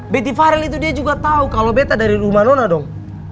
beti farel itu dia juga tau kalo betta dari rumah nona dong